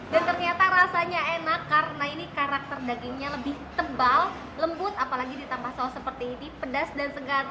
dan ternyata rasanya enak karena ini karakter dagingnya lebih tebal lembut apalagi ditambah saus seperti ini pedas dan segar